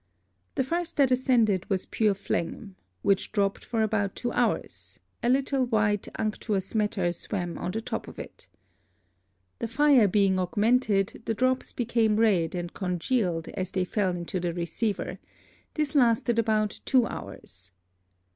The first that ascended was pure Phlegm, which dropt for about two Hours; a little white unctuous Matter swam on the top of it. The Fire being augmented, the Drops became red, and congealed as they fell into the Receiver; this lasted about two Hours.